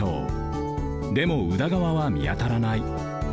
でも宇田川はみあたらない。